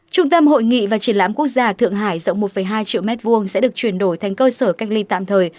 trung tâm hội nghị và triển lãm quốc gia thượng hải rộng một hai triệu m hai sẽ được chuyển đổi thành cơ sở cách ly tạm thời